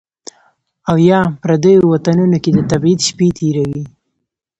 او یا، پردیو وطنونو کې د تبعید شپې تیروي